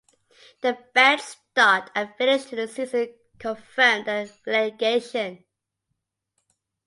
The bad start and finish to the season confirmed the relegation.